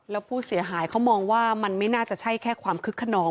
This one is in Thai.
แล้วผู้เสียหายเขามองว่ามันไม่น่าจะใช่แค่ความคึกขนอง